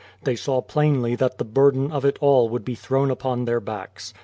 They saw plainly that the burden of it all would be thrown upon their backs.